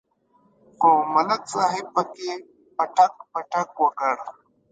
خو ملک صاحب پکې پټک پټک وکړ.